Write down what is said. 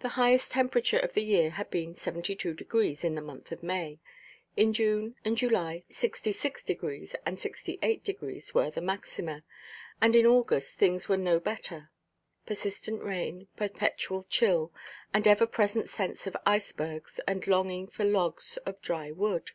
The highest temperature of the year had been 72° (in the month of May); in June and July, 66° and 68° were the maxima, and in August things were no better. Persistent rain, perpetual chill, and ever–present sense of icebergs, and longing for logs of dry wood.